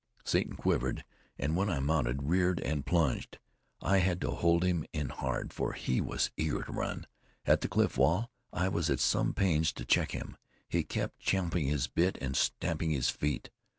Satan quivered, and when I mounted, reared and plunged. I had to hold him in hard, for he was eager to run. At the cliff wall I was at some pains to check him. He kept champing his bit and stamping his feet.